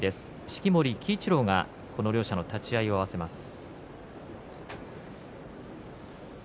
式守鬼一郎がこの両者の立ち合いを合わせます。